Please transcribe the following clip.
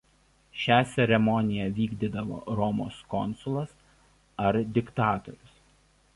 Šią ceremoniją vykdydavo Romos konsulas ar diktatorius.